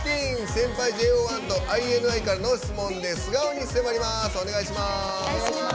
先輩ＪＯ１とＩＮＩからの質問で素顔に迫ります。